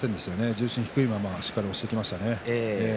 重心低いまましっかり押し込んでいきました。